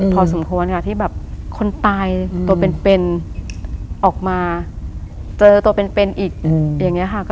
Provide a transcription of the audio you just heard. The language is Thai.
พอสมควรที่คนตายตัวเป็นออกมาเจอตัวเป็นอีก